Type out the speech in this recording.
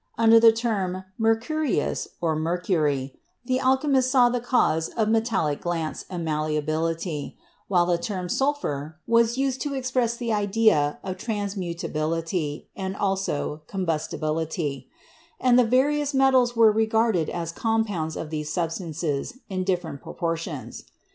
Under the term "mercurius," or mercury, the alchemists saw the cause of metallic glance and malleability, while the term "sulphur" was used to express the idea of trans THE LATER ALCHEMISTS 51 mutability and also combustibility; and the various metals were regarded as compounds of these substances in differ ent proportions.